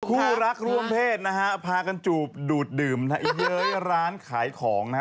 คู่รักร่วมเพศนะฮะพากันจูบดูดดื่มเย้ยร้านขายของนะฮะ